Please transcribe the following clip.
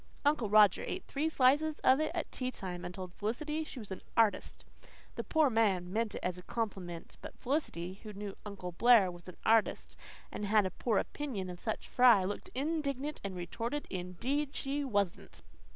Uncle Roger ate three slices of it at tea time and told Felicity she was an artist. The poor man meant it as a compliment; but Felicity, who knew Uncle Blair was an artist and had a poor opinion of such fry, looked indignant and retorted, indeed she wasn't!